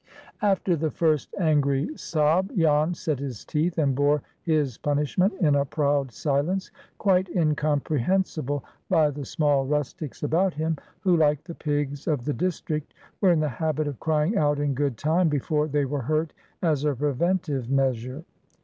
After the first angry sob, Jan set his teeth and bore his punishment in a proud silence, quite incomprehensible by the small rustics about him, who, like the pigs of the district, were in the habit of crying out in good time before they were hurt as a preventive measure.